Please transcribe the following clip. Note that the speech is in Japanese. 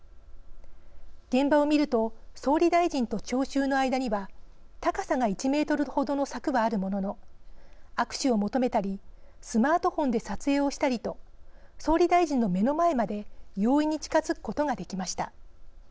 現場を見ると総理大臣と聴衆の間には高さが１メートルほどの柵はあるものの握手を求めたりスマートフォンで撮影をしたりと総理大臣の目の前まで容易に近づくことができました。